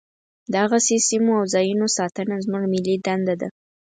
دغسې سیمو او ځاینونو ساتنه زموږ ملي دنده ده.